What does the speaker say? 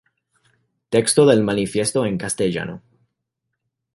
Texto del manifiesto en castellano